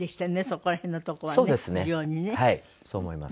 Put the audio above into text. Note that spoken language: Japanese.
そこら辺のとこはね非常にね。